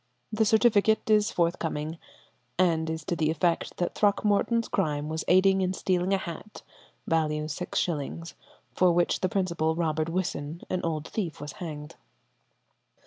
The certificate is forthcoming, and is to the effect that Throckmorton's crime was aiding in stealing a hat, value 6_s._, for which the principal, Robert Whisson, an old thief, was hanged.